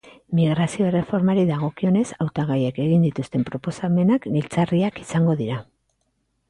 Migrazio erreformari dagokionez hautagaiek egin dituzten proposamenak giltzarriak izango dira.